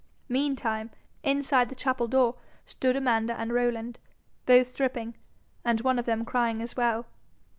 Meantime, inside the chapel door stood Amanda and Rowland, both dripping, and one of them crying as well.